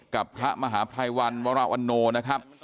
กับพระมหาภัยวันวรวันโนนะครับ